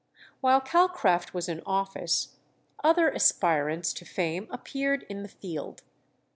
While Calcraft was in office other aspirants to fame appeared in the field.